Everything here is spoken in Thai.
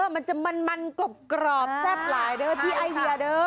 มันจะมันกรอบแซ่บหลายเด้อที่ไอเดียเด้อ